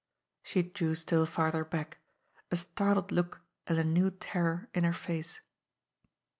She drew still farther back, a startled look and a new terror in her face.